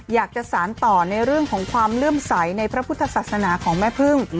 อยากจะสารต่อในเรื่องของความเลื่อมใสในพระพุทธศาสนาของแม่พึ่ง